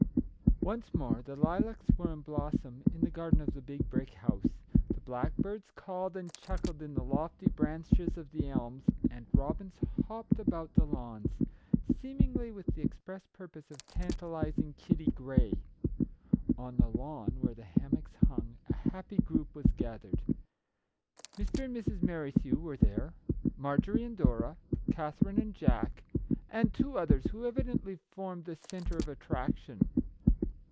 Once more the lilacs were in blossom in the garden of the Big Brick House. The black birds called and chuckled in the lofty branches of the elms, and robins hopped about the lawns, seemingly with the express purpose of tantalizing Kitty Grey. On the lawn, where the hammocks hung, a happy group was gathered. Mr. and Mrs. Merrithew were there, Marjorie and Dora, Katherine and Jack, and two others who evidently formed the centre of attraction.